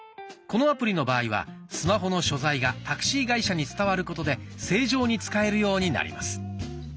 このアプリの場合はスマホの所在がタクシー会社に伝わることで正常に使えるようになります。